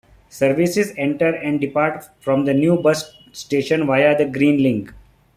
Services enter and depart from the new bus station via the Green Link.